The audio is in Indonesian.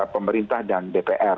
pemerintah dan dpr